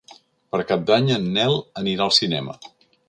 Per Cap d'Any en Nel anirà al cinema.